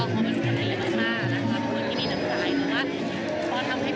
พี่ปอเป็นคนดีมากมากที่มีน้ำจิตน้ำขาด